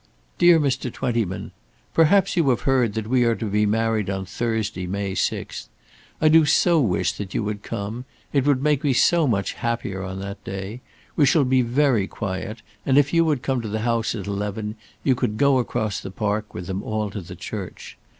DEAR MR. TWENTYMAN, Perhaps you have heard that we are to be married on Thursday, May 6th. I do so wish that you would come. It would make me so much happier on that day. We shall be very quiet; and if you would come to the house at eleven you could go across the park with them all to the church.